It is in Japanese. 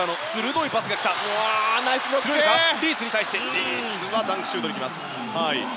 リースがダンクシュートにきました。